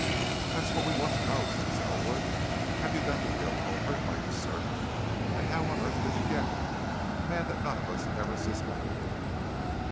"That's what we want to know," said Selwood. "Have you got the real culprit? Are you certain? And how on earth did you get him a man that none of us ever suspected!"